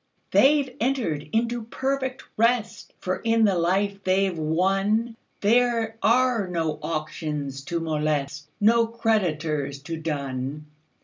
"They 've entered into perfect rest; For in the life they 've wonThere are no auctions to molest, No creditors to dun.